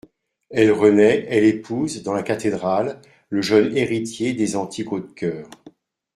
Elle renaît, elle épouse, dans la cathédrale, le jeune héritier des antiques Hautecoeur.